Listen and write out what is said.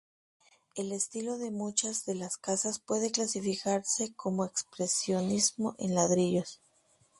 El estilo de muchas de las casas puede clasificarse como Expresionismo en ladrillo.